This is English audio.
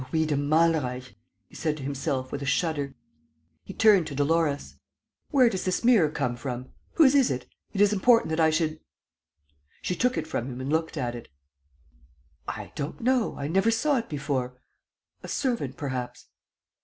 "Louis de Malreich," he said to himself, with a shudder. He turned to Dolores: "Where does this mirror come from? Whose is it? It is important that I should ..." She took it from him and looked at it: "I don't know. ... I never saw it before ... a servant, perhaps.